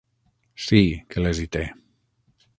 Sí, que les hi té.